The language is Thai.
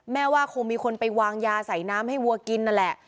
ว่าคงมีคนไปวางยาใส่น้ำให้วัวกินนั่นแหละ